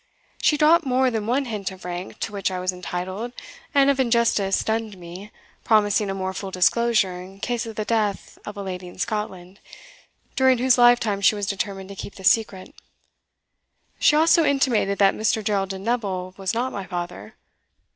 She dropped more than one hint of rank to which I was entitled, and of injustice done to me, promising a more full disclosure in case of the death of a lady in Scotland, during whose lifetime she was determined to keep the secret. She also intimated that Mr. Geraldin Neville was not my father.